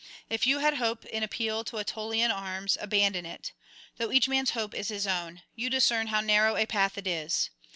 If you had hope in appeal to Aetolian arms, abandon it; though each man's hope is his own, you discern how narrow a path it is.